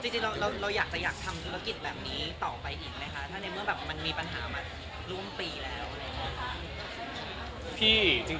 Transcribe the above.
จริงเราอยากจะทำธุรกิจแบบนี้ต่อไปอีกไหมคะในเมื่อมันมีปัญหามาร่วมปีแล้ว